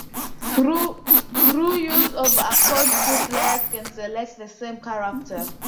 Through use of a code, two players can select the same character.